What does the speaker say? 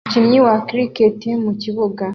Umukinnyi wa Cricket mu kibuga